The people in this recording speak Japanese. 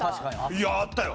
いやあったよ。